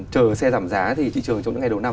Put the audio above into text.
chờ xe giảm giá thì thị trường trong những ngày đầu năm